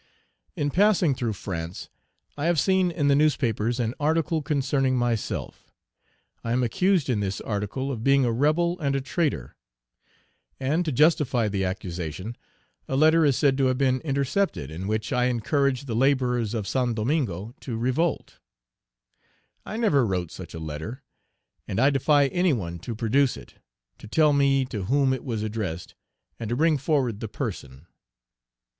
In passing through France, I have seen in the newspapers an article concerning myself. I am accused in this article of being a rebel and a traitor, and, to justify the accusation, a letter is said to have been intercepted in which I encouraged the laborers of St. Domingo to revolt. I never wrote such a letter, and I defy any one to produce it, to tell me to whom it was addressed, and to bring forward the person.